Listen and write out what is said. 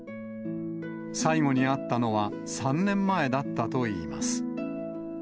最後に会ったのは３年前だったといいます。